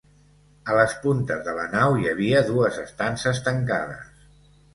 A les puntes de la nau hi havia dues estances tancades.